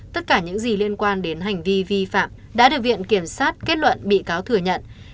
tất cả những gì liên quan đến hành vi vi phạm đã được viện kiểm sát kết luận bị cáo thừa nhận